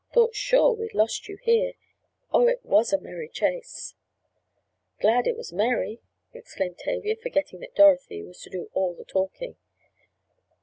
Thought sure we'd lost you here. Oh, it was a merry chase." "Glad it was merry," exclaimed Tavia, forgetting that Dorothy was to do all the talking.